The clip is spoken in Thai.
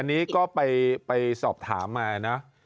อันนี้ก็ไปสอบถามมานะ